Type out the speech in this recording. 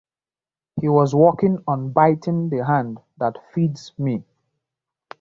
He was working on Biting the hand that feeds me!